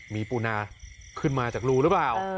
มีปูนาขึ้นมาจากรูหรือเปล่า